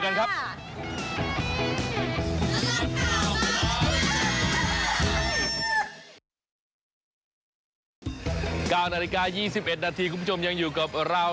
๙นาฬิกา๒๑นาทีคุณผู้ชมยังอยู่กับเรา